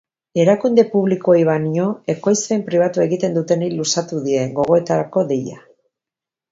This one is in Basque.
Erakunde publikoei baino, ekoizpen pribatua egiten dutenei luzatu die, gogoetarako deia.